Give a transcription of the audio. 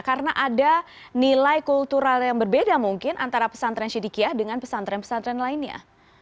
karena ada nilai kultural yang berbeda mungkin antara pesantren syedikiah dengan pesantren pesantren lainnya